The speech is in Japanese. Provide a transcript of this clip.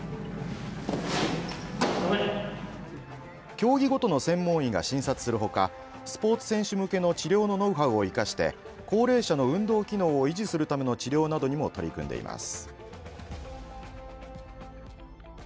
競技ごとの専門医が診察する他スポーツ選手向けの治療のノウハウを生かして高齢者の運動機能を維持するための治療などにも取り組んでいます。